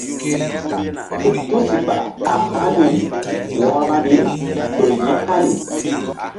Ké tusiɓa a haniri wo̧roi ƴo ya̧hani.